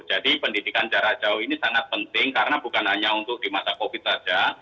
jadi pendidikan jarak jauh ini sangat penting karena bukan hanya untuk di masa covid sembilan belas saja